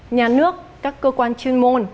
nhà nước các cơ quan chuyên môn